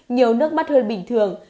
nhiều nước mắt hơn bình thường